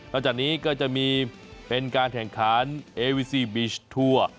แล้วจากนี้ก็จะมีเป็นการแข่งขันเอวีซีบีชทั่ว